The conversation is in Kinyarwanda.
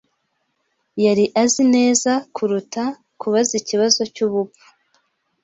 Yari azi neza kuruta kubaza ikibazo cyubupfu.